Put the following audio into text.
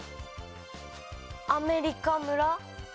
アメリカ村？